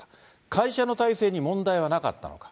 会社の体制に問題はなかったのか。